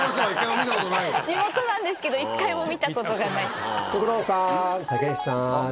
地元なんですけど１回も見たことがない。